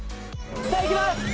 さぁいきます。